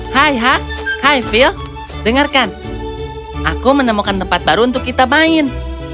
hai ha hai phil dengarkan aku menemukan tempat baru untuk kita main